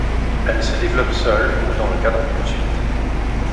Elle se développe seule ou dans le cadre d'une suite.